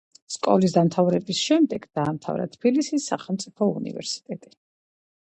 სკოლის დამთავრების შემდეგ დაამთავრა თბილისის სახელმწიფო უნივერსიტეტი.